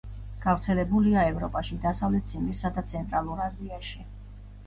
გავრცელებულია ევროპაში, დასავლეთ ციმბირსა და ცენტრალურ აზიაში.